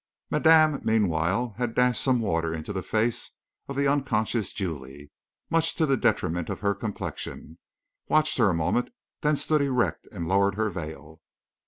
Madame, meanwhile, had dashed some water into the face of the unconscious Julie much to the detriment of her complexion! watched her a moment, then stood erect and lowered her veil.